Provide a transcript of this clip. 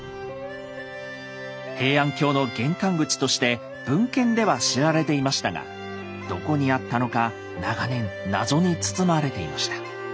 平安京の玄関口として文献では知られていましたがどこにあったのか長年謎に包まれていました。